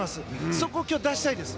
そこを出したいです。